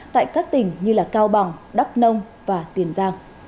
tại các tỉnh như cao bằng đắk nông và tiền giang